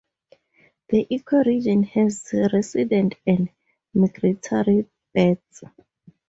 The ecoregion has resident and migratory bats.